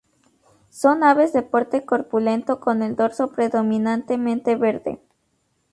Son aves de porte corpulento con el dorso predominantemente verde.